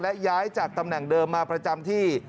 และย้ายจากตำแหน่งเดิมมาประจำที่